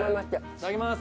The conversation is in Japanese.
いただきます